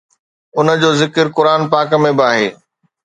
ان جو ذڪر قرآن پاڪ ۾ به آهي